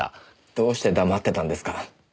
どうして黙ってたんですか？